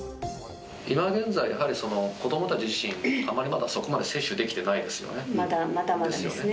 今現在、やはり、子どもたち自身、あまりまだそこまで接種できてないですよね。